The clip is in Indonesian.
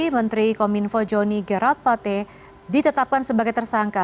menteri kominfo joni gerard plate ditetapkan sebagai tersangka